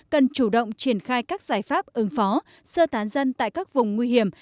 cần chủ động triển khai các giải pháp ứng phó sơ tán dân tại các vùng nguy hiểm